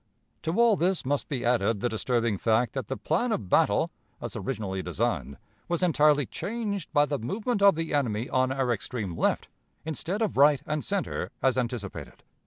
To all this must be added the disturbing fact that the plan of battle, as originally designed, was entirely changed by the movement of the enemy on our extreme left, instead of right and center, as anticipated.